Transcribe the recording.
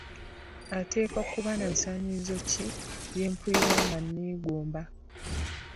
Ateekwa kuba nabisaanyizo ki byempulira nga nneegomba?